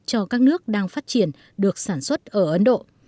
cho các nước đang phát triển được sản xuất ở ấn độ